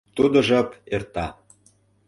Тудо жап эрта.